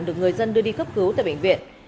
được người dân đưa đi cấp cứu tại bệnh viện